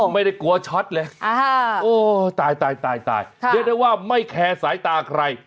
ไม่ได้กลัวช็อตเลยโอ้ตายตายเรียกได้ว่าไม่แคร์สายตาใคร